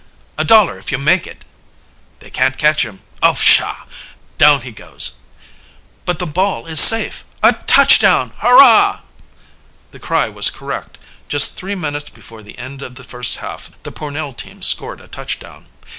A dollar if you make it!" "They can't catch him! Oh, pshaw! Down he goes!" "But the ball is safe! A touchdown! Hurrah!" The cry was correct. Just three minutes before the end of the first half the Pornell team scored a touchdown.